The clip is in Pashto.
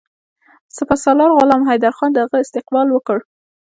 سپه سالار غلام حیدرخان د هغه استقبال وکړ.